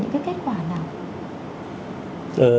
những cái kết quả nào